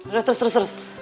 udah terus terus terus